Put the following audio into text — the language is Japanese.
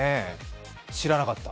知らなかった。